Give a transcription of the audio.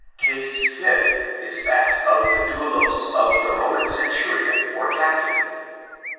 Case fifth, is that of the dotdos of the Roman centurion or captain.